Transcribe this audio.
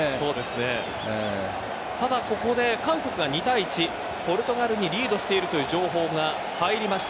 ここで韓国が２対１ポルトガルにリードしているという情報が入りました。